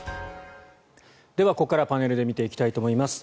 では、ここからパネルで見ていきたいと思います。